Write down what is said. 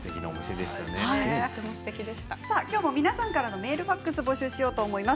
今日も皆さんからメールファックス募集しようと思います。